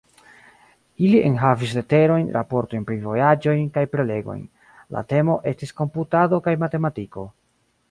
Ili enhavis leterojn, raportojn pri vojaĝojn, kaj prelegojn; la temo estis komputado kaj matematiko.